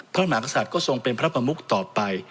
พระมหากษัตริย์ก็ทรงเป็นพระประมุกต่อไป